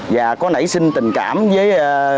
và có nảy sinh tình cảm với